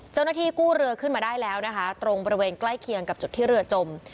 เจ้าหน้าที่กู้เรือขึ้นมาได้แล้วนะคะตรงบริเวณใกล้เคียงกับจุดที่เรือจม